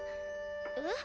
えっ？